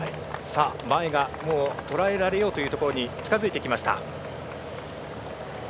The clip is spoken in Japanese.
前が、とらえられようというところに近づいてきました。